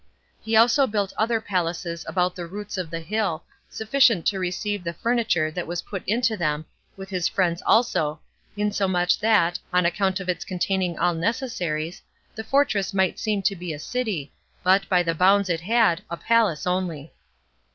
He also built other palaces about the roots of the hill, sufficient to receive the furniture that was put into them, with his friends also, insomuch that, on account of its containing all necessaries, the fortress might seem to be a city, but, by the bounds it had, a palace only.